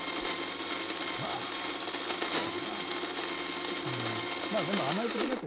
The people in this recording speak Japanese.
まあなんだろうなまあでも甘えてきますよ